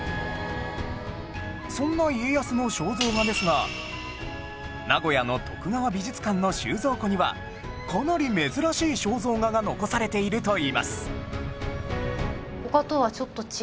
そんな家康の肖像画ですが名古屋の徳川美術館の収蔵庫にはかなり珍しい肖像画が残されているといいます